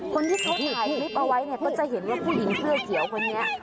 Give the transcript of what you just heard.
คนที่เขาถ่ายคลิปเอาไว้เนี่ยก็จะเห็นว่าผู้หญิงเสื้อเขียวคนนี้